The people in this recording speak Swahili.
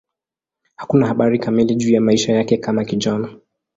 Hakuna habari kamili juu ya maisha yake kama kijana.